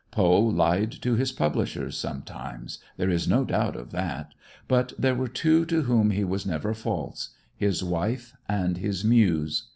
Poe lied to his publishers sometimes, there is no doubt of that, but there were two to whom he was never false, his wife and his muse.